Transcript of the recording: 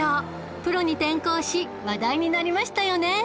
プロに転向し話題になりましたよね